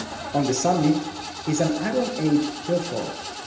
On the summit is an Iron Age hillfort.